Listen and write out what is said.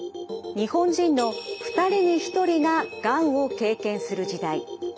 日本人の２人に１人ががんを経験する時代。